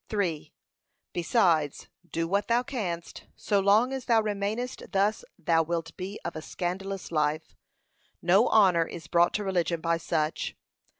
3. Besides, do what thou canst, so long as thou remainest thus thou wilt be of a scandalous life. No honour is brought to religion by such.